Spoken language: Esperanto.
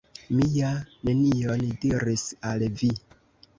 Mi ja nenion diris al vi!